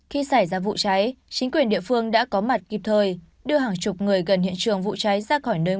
khi xảy ra vụ cháy chính quyền địa phương đã có mặt kịp thời đưa hàng chục người gần hiện trường vụ cháy ra khỏi nơi